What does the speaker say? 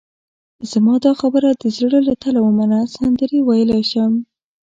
زما دا خبره د زړه له تله ومنه، سندرې ویلای شم.